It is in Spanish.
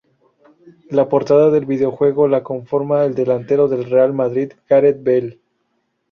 La portada del videojuego la conforma el delantero del Real Madrid, Gareth Bale.